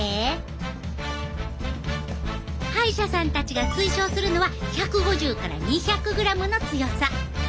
歯医者さんたちが推奨するのは１５０から２００ｇの強さ。